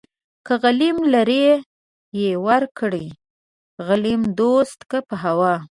که غليم لره يې ورکړې غليم دوست کا په هوا